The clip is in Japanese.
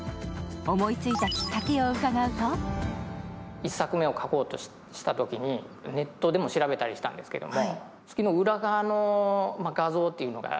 思いついたきっかけを伺うと１作目を書こうとしたときにネットでも調べたりしたんですけども。